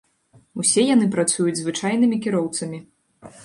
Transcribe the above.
Усе яны працуюць звычайнымі кіроўцамі.